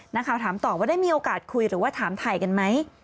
นักข่าวถามต่อว่าได้มีโอกาสคุยหรือว่าถามถ่ายกันไหม